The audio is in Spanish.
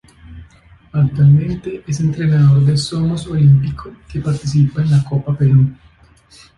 Actualmente es entrenador de Somos Olímpico que participa en la Copa Perú.